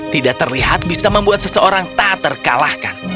tidak terlihat bisa membuat seseorang tak terkalahkan